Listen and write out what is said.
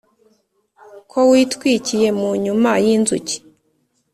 ko witwikiye mu nyuma y’inzuki,